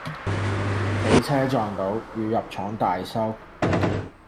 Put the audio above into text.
畀車撞到，要入廠大修